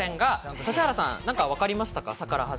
指原さん、何か分かりましたか？